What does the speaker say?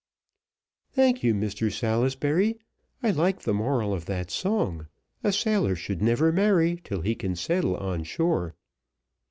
"Thank you, Mr Salisbury. I like the moral of that song; a sailor never should marry till he can settle on shore."